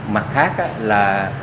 mặt khác là